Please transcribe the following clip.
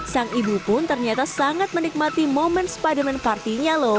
sang ibu pun ternyata sangat menikmati momen ini